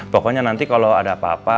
pokoknya nanti kalau ada apa apa